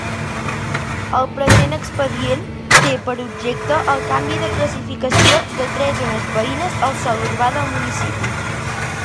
El present expedient té per objecte el canvi de classificació de tres zones veïnes al sòl urbà del municipi.